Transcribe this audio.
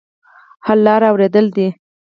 حل لاره اورېدل دي.